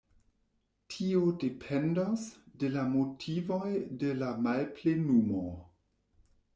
Tio dependos de la motivoj de la malplenumo.